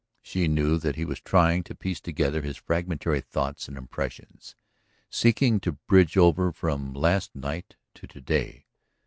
She knew that he was trying to piece together his fragmentary thoughts and impressions, seeking to bridge over from last night to to day.